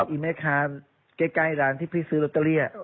อีแม่ค้าใกล้ร้านที่พี่ซื้อลอตเตอรี่